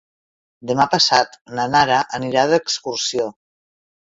Demà passat na Nara anirà d'excursió.